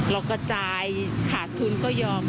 เรากระจายขาดทุนก็ยอม